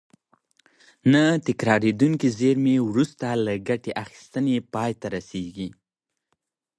نه تکرارېدونکې زېرمې وروسته له ګټې اخیستنې پای ته رسیږي.